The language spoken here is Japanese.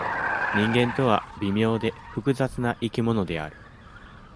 人間とは、微妙で、複雑な生き物である。